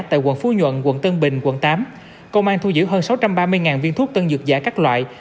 tại quận phú nhuận quận tân bình quận tám công an thu giữ hơn sáu trăm ba mươi viên thuốc tân dược giả các loại